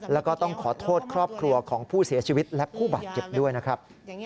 แล้วก็ต้องขอโทษครอบครัวของผู้เสียชีวิตและผู้บาดเจ็บด้วยนะครับ